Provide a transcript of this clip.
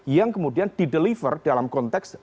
yang kemudian dideliver dalam konteks